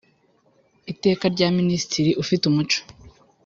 Iteka rya Minisitiri ufite umuco